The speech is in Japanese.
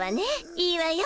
いいわよ。